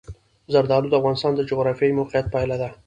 زردالو د افغانستان د جغرافیایي موقیعت پایله ده.